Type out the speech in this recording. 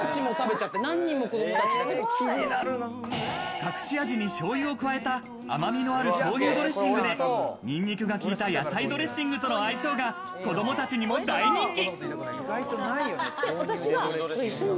隠し味にしょうゆを加えた甘みのある豆乳ドレッシングでニンニクが効いた野菜ドレッシングとの相性が子どもたちにも大人気。